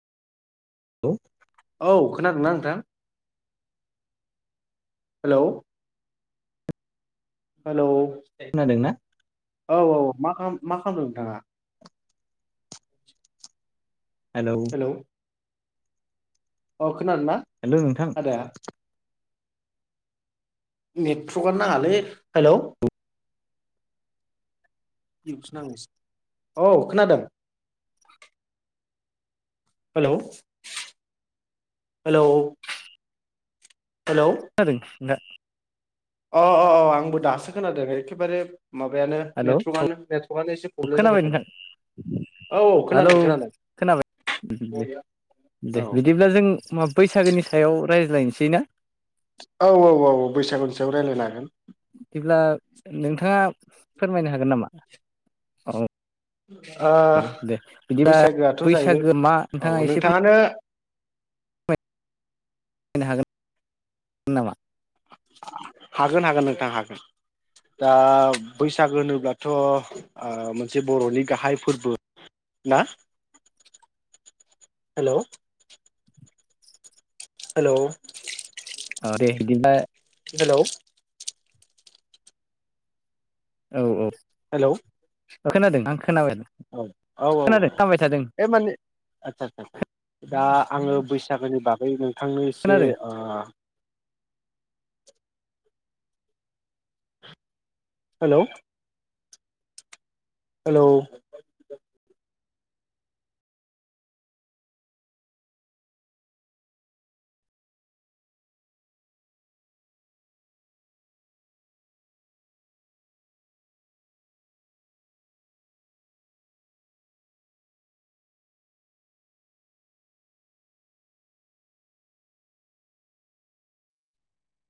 हेल' औ खोनादोंना नोंथां हेल' हेलौ खोनादोंना औ औ मा मा खालामदों नोंथाङा हेल' अ खोनादों ना हेलौ नोंथां आदाया नेटवर्कआनो नाङालै हेल' [unintelligible] औ खोनादों हेल' हेल' खोनादों दा अ अ अ आंबो दासो खोनादों एखेबारे माबायानो हेलौ नेटवर्कआनो नेटवर्कआनो एसे प्रब्लेम खोनाबाय जाबाय नोंथां थादों औ औ हेलौ खोनादों खोनादों खोनाबाय औ दे दे औ बिदिब्ला जों मा बैसागोनि सायाव रायज्लायनोसै ना औ औ औ बैसागु सायाव रायज्लायनो हागोन बिदिब्ला नोंथाङा फोरमायनो हागोन नामा औ ओ औ दे बिदिबा बैसागोआथ' जाहैनो बैसागो मा नोंथाङा औ एसे नोंथाङानो फैनो हागोन नामा हागोन हागोन नोंथां हागोन दा बैसागो होनोब्लाथ' मोनसे बर'नि गाहाय फोरबो ना हेल' हेल' औ दे बिदिबा हेल' औ औ हेलौ खोनादों आं खोनाबाय औ औ औ औ खोनादों खोनाबाय थादों बे माने आचसा आ दा आङो बैसागोनि बागै नोंथांनो एसे खोनादों ओ हेल' हेल'